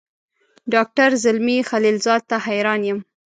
ډاکټر زلمي خلیلزاد ته حیران یم.